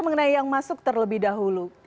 mengenai yang masuk terlebih dahulu